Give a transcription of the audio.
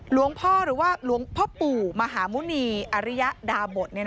หลวงพ่อหรือว่าหลวงพ่อปู่มหาหมุณีอริยดาบท